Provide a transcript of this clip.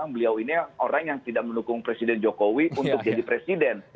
beliau ini orang yang tidak mendukung presiden jokowi untuk jadi presiden